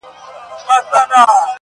o بې کسه بدي نه سي پاللاى٫